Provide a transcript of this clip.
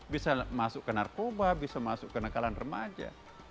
bisa masuk ke narkoba bisa masuk ke nekalan remaja